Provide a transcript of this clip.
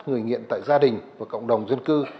người nghiện tại gia đình và cộng đồng dân cư